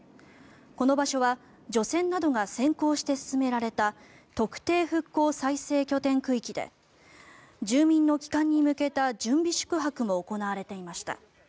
この場所は除染などが先行して進められた特定復興再生拠点区域で住民の帰還に向けた準備宿泊も行われていました。